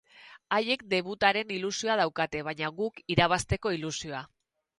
Haiek debutaren ilusioa daukate, baina guk irabazteko ilusioa.